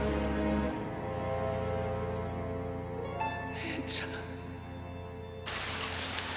姉ちゃん。